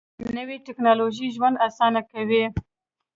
نوې ټیکنالوژي ژوند اسانه کوي